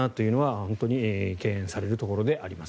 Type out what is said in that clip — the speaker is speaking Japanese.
本当に懸念されるところであります。